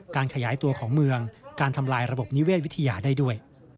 การขยายตัวของเมืองการทำลายระบบนิเวศวิทยาได้ด้วย